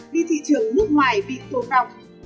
vì thị trường nước ngoài bị tổn động